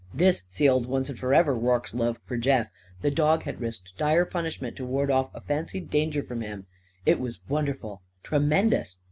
This sealed once and forever Rorke's love for Jeff. The dog had risked dire punishment to ward off a fancied danger from him. It was wonderful tremendous!